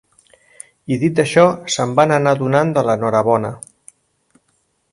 I dit això se'n van anar donant l'enhorabona